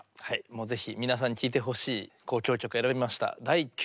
もうぜひ皆さんに聴いてほしい交響曲を選びました。